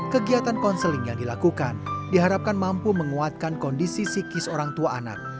kegiatan konseling yang dilakukan diharapkan mampu menguatkan kondisi psikis orang tua anak